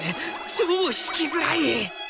超弾きづらい！